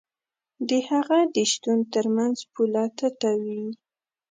د هغه د شتون تر منځ پوله تته وي.